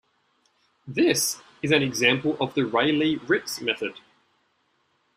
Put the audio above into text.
This is an example of the Rayleigh-Ritz method.